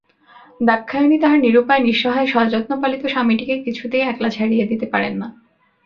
দাক্ষায়ণী তাঁহার নিরুপায় নিঃসহায় সযত্নপালিত স্বামীটিকে কিছুতেই একলা ছাড়িয়া দিতে পারেন না।